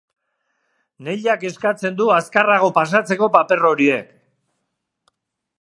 Neilak eskatzen du azkarrago pasatzeko paper horiek.